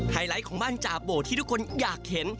ไลท์ของบ้านจาโบที่ทุกคนอยากเห็น